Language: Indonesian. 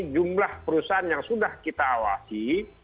jumlah perusahaan yang sudah kita awasi